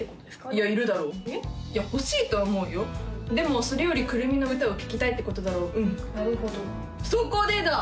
いやいるだろいや欲しいとは思うよでもそれより９６３の歌を聴きたいってことだろううんなるほどそこでだ！